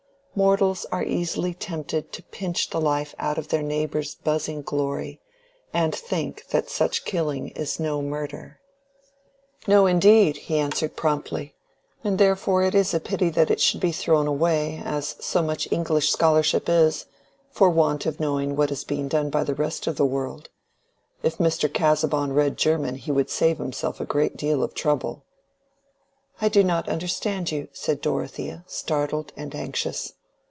Mortals are easily tempted to pinch the life out of their neighbor's buzzing glory, and think that such killing is no murder. "No, indeed," he answered, promptly. "And therefore it is a pity that it should be thrown away, as so much English scholarship is, for want of knowing what is being done by the rest of the world. If Mr. Casaubon read German he would save himself a great deal of trouble." "I do not understand you," said Dorothea, startled and anxious.